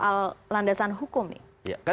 soal landasan hukum nih